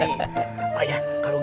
mari kita masuk ke dalam